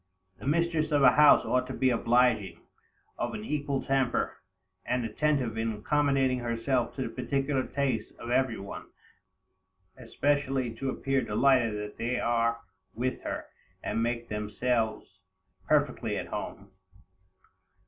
The mistress of a house ought to be obliging, of an equal temper, and attentive in accommodating herself to the particular tastes of every one, especially to appear delighted that they are with her, and make themselves perfectly at home.